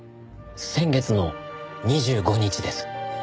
先月の２５日です。